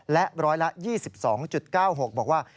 และร้อยละ๒๒๙๖บอกว่า